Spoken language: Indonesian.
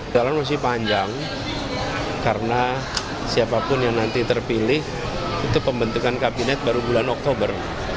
dalam masih panjang karena siapapun yang nanti terpilih itu pembentukan kabinet baru bulan oktober